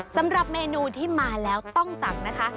สำหรับเมนูที่มาแล้วต้องสั่งนะคะ